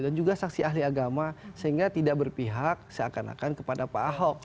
dan juga saksi ahli agama sehingga tidak berpihak seakan akan kepada pak ahok